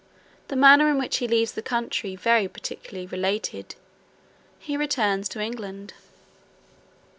The manner in which he leaves the country very particularly related. He returns to England.